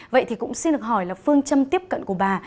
vậy thì cũng xin được hỏi là phương châm tiếp cận của bà